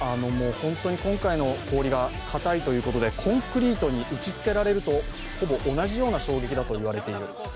本当に今回の氷が硬いということでコンクリートに打ちつけられるのとほぼ同じような衝撃だといわれている。